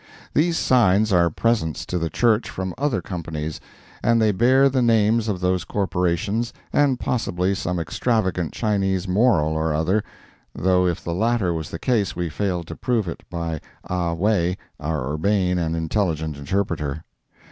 These signs are presents to the Church from other companies, and they bear the names of those corporations, and possibly some extravagant Chinese moral or other, though if the latter was the case we failed to prove it by Ah Wae, our urbane and intelligent interpreter.